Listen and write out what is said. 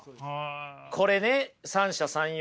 これね三者三様。